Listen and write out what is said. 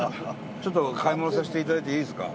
ちょっと買い物させていただいていいですか？